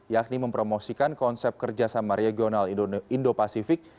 yakni mempromosikan konsep kerjasama regional indo pasifik